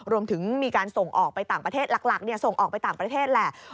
รวมถึงมีการส่งออกไปต่างประเทศหลักส่งออกไปต่างประเทศแหละ